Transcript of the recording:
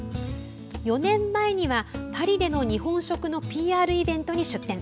４年前には、パリでの日本食のＰＲイベントに出店。